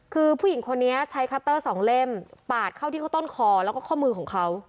คือผู้หญิงคนนี้ใช้คัตเตอร์สองเล่มปาดเข้าที่เขาต้นคอแล้วก็ข้อมือของเขา